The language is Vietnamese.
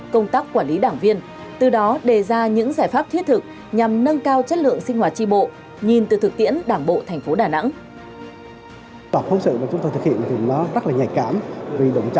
công tác quản lý đảng viên từ đó đề ra những giải pháp thiết thực nhằm nâng cao chất lượng sinh hoạt tri bộ nhìn từ thực tiễn đảng bộ thành phố đà nẵng